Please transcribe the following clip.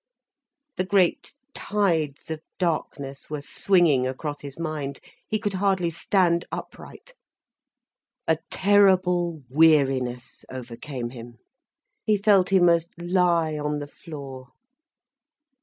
The great tides of darkness were swinging across his mind, he could hardly stand upright. A terrible weariness overcame him, he felt he must lie on the floor.